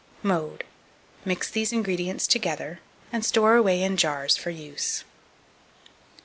Mode. Mix these ingredients together, and store away in jars for use.